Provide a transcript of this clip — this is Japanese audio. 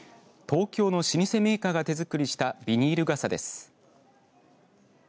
東京の老舗メーカーが手作りしたビニール傘です。